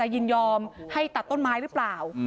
ยินยอมให้ตัดต้นไม้หรือเปล่า